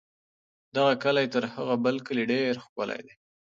دغه کلی تر هغه بل کلي ډېر ښکلی دی.